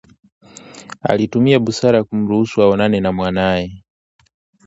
ulitumia busara ya kumruhusu aonane na mwanae